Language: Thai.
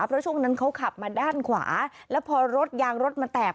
เพราะช่วงนั้นเขาขับมาด้านขวาแล้วพอรถยางรถมันแตก